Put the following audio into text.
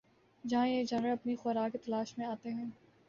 جہاں یہ جانور اپنی خوراک کی تلاش میں آتے ہیں